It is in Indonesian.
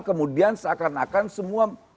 kemudian seakan akan semua